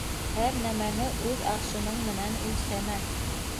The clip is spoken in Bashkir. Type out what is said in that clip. Һәр нәмәне үҙ аршының менән үлсәмә.